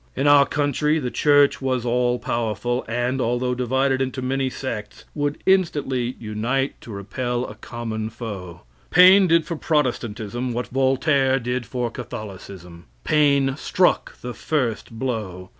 In our country the church was all powerful, and, although divided into many sects, would instantly unite to repel a common foe. Paine did for Protestantism what Voltaire did for Catholicism. Paine struck the first blow.